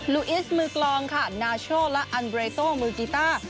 ลุอิสมือกลองนาโชว์และอันเบรโตว์มือกีตาร์